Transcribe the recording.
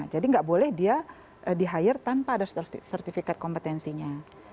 jadi nggak boleh dia di hire tanpa ada sertifikat kompetensinya